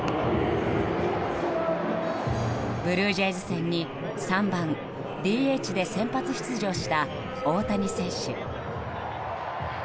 ブルージェイズ戦に３番ＤＨで先発出場した大谷選手。